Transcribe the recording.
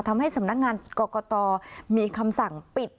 ทำให้สำนักงานกรกตมีคำสั่งปิด